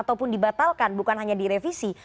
ataupun dibatalkan bukan hanya direvisi